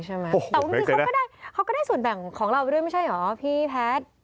แต่ว่าเขาก็ได้ส่วนแต่งของเราไปด้วยไม่ใช่เหรอพี่แพทย์